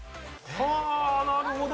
はあなるほど。